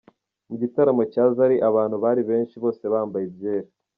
Mu gitaramo cya Zari abantu bari benshi bose bambaye ibyera.